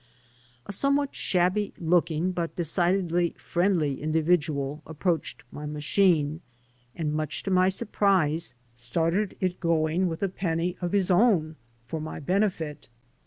A somewhat shabby looking but decidedly friendly individual approached my machine and, much to my surprise, started it going with a penny of his own for my benefit.